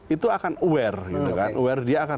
itu akan aware dia akan